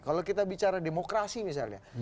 kalau kita bicara demokrasi misalnya